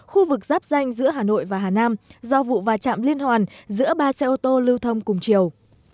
khu vực giáp danh giữa hà nội và hà nam do vụ va chạm liên hoàn giữa ba xe ô tô lưu thông cùng chiều